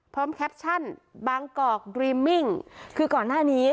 พร้อมแคปชั่นบางกอกดรีมมิ้งคือก่อนหน้านี้ค่ะ